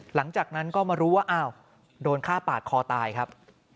หลังจากนั้นก็มารู้ว่าอ้าวโดนฆ่าปาดคอตายครับ